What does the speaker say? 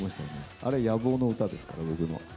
あれ、野望の歌ですから、僕の。